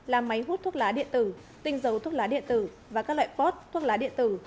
làm máy hút thuốc lá điện tử tinh dấu thuốc lá điện tử và các loại phót thuốc lá điện tử